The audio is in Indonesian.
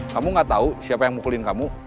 kamu nggak tau siapa yang mukulin kamu